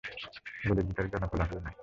গলির ভিতরে জনকোলাহল নাই।